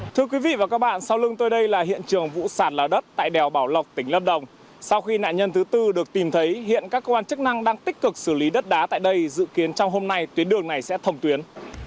thưa quý vị và các bạn sau lưng tôi đây là hiện trường vụ sạt lở đất tại đèo bảo lộc tỉnh lâm đồng sau khi nạn nhân thứ tư được tìm thấy hiện các cơ quan chức năng đang tích cực xử lý đất đá tại đây dự kiến trong hôm nay tuyến đường này sẽ thồng tuyến